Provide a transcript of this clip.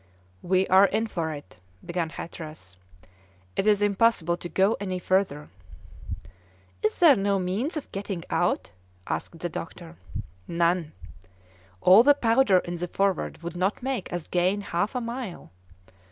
"We are in for it," began Hatteras; "it is impossible to go any further." "Is there no means of getting out?" asked the doctor. "None. All the powder in the Forward would not make us gain half a mile!"